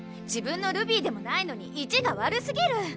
自分のルビーでもないのに意地が悪すぎる！